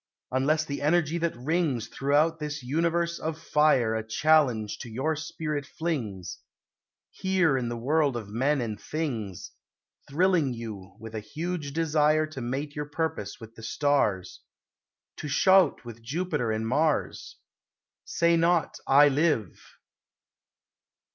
Unless the energy that rings Throughout this universe of fire A challenge to your spirit flings, Here in the world of men and things, Thrilling you with a huge desire To mate your purpose with the stars, To shout with Jupiter and Mars Say not, "I live!"